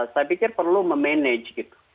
saya pikir perlu memanage gitu